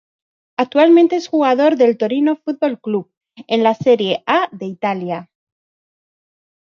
Actualmente es jugador del Torino Fútbol Club, en la Serie A de Italia.